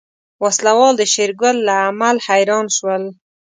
وسله وال د شېرګل له عمل حيران شول.